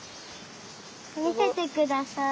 みせてください。